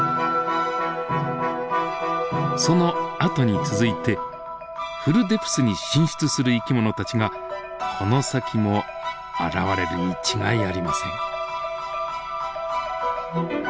そのあとに続いてフルデプスに進出する生き物たちがこの先も現れるに違いありません。